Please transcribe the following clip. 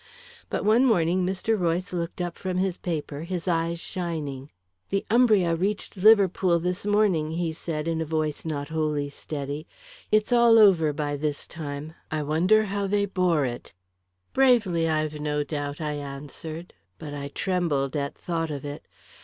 But one morning, Mr. Royce looked up from his paper, his eyes shining. "The Umbria reached Liverpool this morning," he said, in a voice not wholly steady. "It's all over by this time. I wonder how they bore it?" "Bravely, I've no doubt," I answered, but I trembled at thought of it.